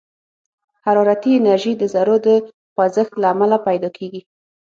حرارتي انرژي د ذرّو د خوځښت له امله پيدا کېږي.